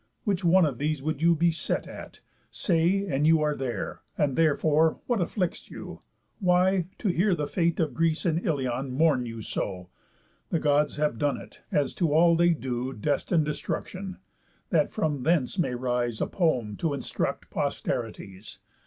Which one of these You would be set at, say, and you are there. And therefore what afflicts you? Why, to hear The fate of Greece and Ilion, mourn you so? The Gods have done it; as to all they do Destine destruction, that from thence may rise A poem to instruct posterities.